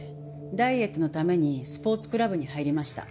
ダイエットのためにスポーツクラブに入りました。